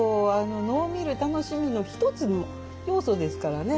能を見る楽しみの一つの要素ですからね。